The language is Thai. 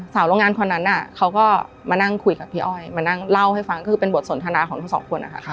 โรงงานคนนั้นเขาก็มานั่งคุยกับพี่อ้อยมานั่งเล่าให้ฟังคือเป็นบทสนทนาของทั้งสองคนนะคะ